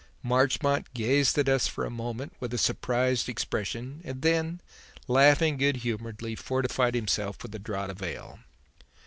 Marchmont gazed at us for a moment with a surprised expression and then, laughing good humouredly, fortified himself with a draught of ale.